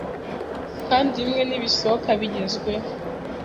Kandi bimwe nibisohoka bigezweho